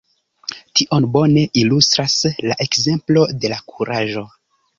Tion bone ilustras la ekzemplo de la kuraĝo.